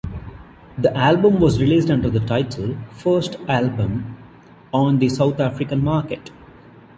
The album was released under the title First Album on the South African market.